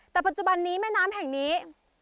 แต่ปัจจุบันนี้แม่น้ำแห่งนี้